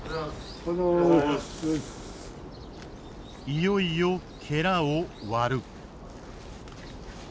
いよいよを割る。